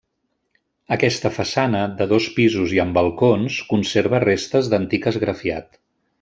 Aquesta façana, de dos pisos i amb balcons conserva restes d'antic esgrafiat.